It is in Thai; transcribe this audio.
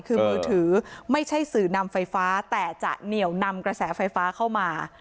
คือมือถือไม่ใช่สื่อนำไฟฟ้าแต่จะเหนียวนำกระแสไฟฟ้าเข้ามา